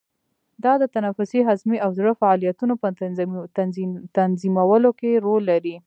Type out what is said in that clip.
دا د تنفسي، هضمي او زړه فعالیتونو په تنظیمولو کې رول لري.